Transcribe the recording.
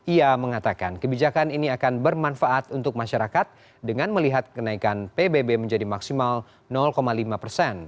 ia mengatakan kebijakan ini akan bermanfaat untuk masyarakat dengan melihat kenaikan pbb menjadi maksimal lima persen